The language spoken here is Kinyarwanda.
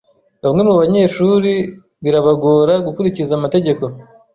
Bamwe mubanyeshuri birabagora gukurikiza amategeko.